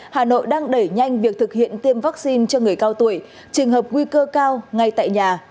hà nội đang đẩy nhanh việc thực hiện tiêm vaccine cho người cao tuổi trường hợp nguy cơ cao ngay tại nhà